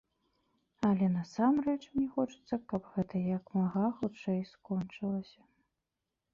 Але насамрэч мне хочацца, каб гэта як мага хутчэй скончылася.